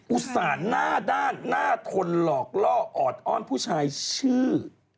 ต่านหน้าด้านหน้าทนหลอกล่อออดอ้อนผู้ชายชื่อ